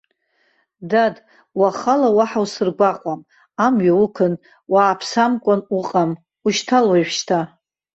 Дад, уахала уаҳа усыргәаҟуам, амҩа уқәын, уааԥсамкәан уҟам, ушьҭал уажәшьҭа.